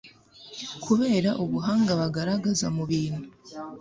kubera ubuhanga bagaragaza mu bintu